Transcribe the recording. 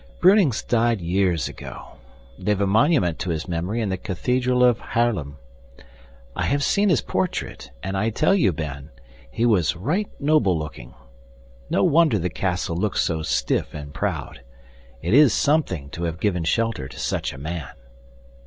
Brunings died years ago; they've a monument to his memory in the cathedral of Haarlem. I have seen his portrait, and I tell you, Ben, he was right noble looking. No wonder the castle looks so stiff and proud. It is something to have given shelter to such a man!"